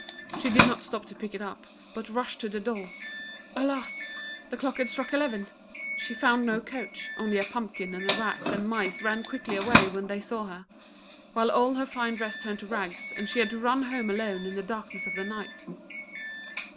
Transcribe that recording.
She did not stop to pick it up, but rushed to the door. Alas! the clock had struck ELEVEN. She found no coach, only a pumpkin, and the rat and mice ran quickly away when they saw her; while all her fine dress turned to rags, and she had to run home alone in the darkness of the night.